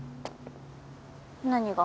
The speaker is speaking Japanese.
何が？